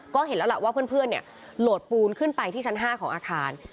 ก็เห็นแล้วล่ะว่าเพื่อนโหลดปูนขึ้นไปที่ชั้น๕ของอาคาร